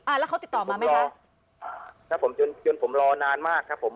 แล้วเขาติดต่อมาไหมคะอ่าครับผมจนจนผมรอนานมากครับผม